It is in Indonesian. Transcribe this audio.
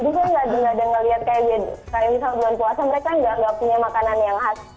jadi saya nggak ada ngelihat kayak misal bulan puasa mereka nggak punya makanan yang khas